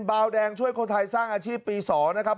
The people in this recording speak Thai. บาวแดงช่วยคนไทยสร้างอาชีพปี๒นะครับ